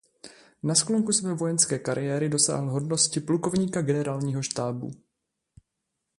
Na sklonku své vojenské kariéry dosáhl hodnosti plukovníka generálního štábu.